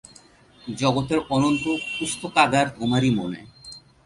জগতের অনন্ত পুস্তকাগার তোমারই মনে।